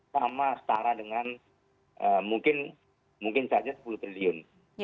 sama setara dengan mungkin saja sepuluh triliun